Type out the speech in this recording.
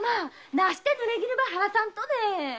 なして濡れ衣ば晴らさんとね？